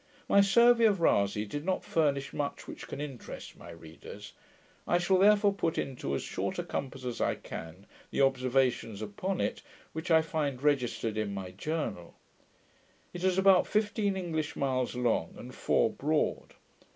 My survey of Rasay did not furnish much which can interest my readers; I shall therefore put into as short a compass as I can, the observations upon it, which I find registered in my journal. It is about fifteen English miles long, and four broad.